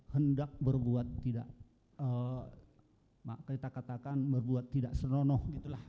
hendak berbuat tidak kita katakan berbuat tidak senonoh